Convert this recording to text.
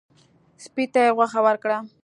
سپي ته یې غوښه ورکړه.